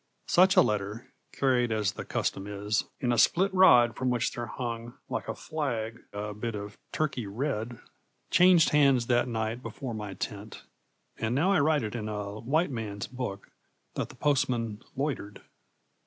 Such a letter carried as the custom is, in a split rod from which there hung, like a flag, a bit of turkey red changed hands that night before my tent. And now I write it in a white man's book that the postmen loitered.